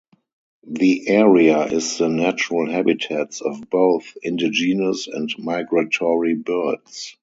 The area is the natural habitats of both indigenous and migratory birds.